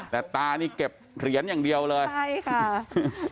แต่ตานี่เก็บเหรียญอย่างเดียวเลยใช่ค่ะ